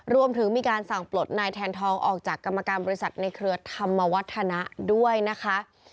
รวมถึงมีการสั่งปลดนายแทนทองออกจากกรรมการบริษัทในเครือธรรมวัฒนะด้วยนะคะ